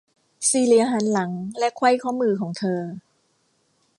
ซีเลียหันหลังและไขว้ข้อมือของเธอ